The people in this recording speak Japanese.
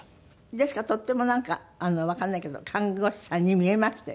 ですからとてもなんかわかんないけど看護師さんに見えましたよ